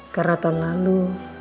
karena tahun lalu